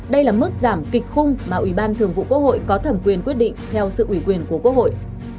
đây là mức giảm kịch khung mà ubthqh có thẩm quyền quyết định theo sự ủy quyền của quốc hội